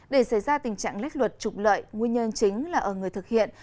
để xảy ra tình trạng lách luật trục lợi nguyên nhân chính là ở người thực hiện